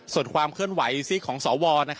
ส่วนความเคลื่อนไหวซีกของสว